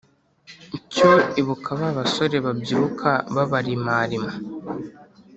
Cyo ibuka ba basore babyiruka Babarimarima